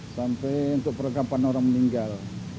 sampai untuk perlengkapan orang meninggal